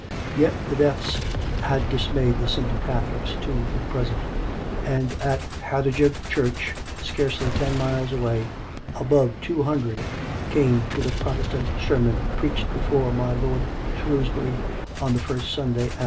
Yet the deaths had dismayed the simple Catholics, too, for the present; and at Hathersage church, scarcely ten miles away, above two hundred came to the Protestant ser mon preached before my lord Shrewsbury on the first Sun day after.